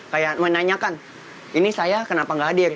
kayak menanyakan ini saya kenapa gak hadir